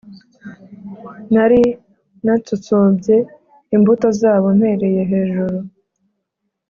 Nari natsotsobye imbuto zabo mpereye hejuru,